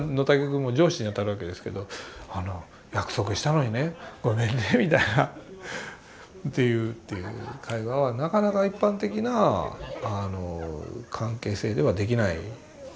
君も上司に当たるわけですけど「約束したのにねごめんね」みたいなという会話はなかなか一般的な関係性ではできない。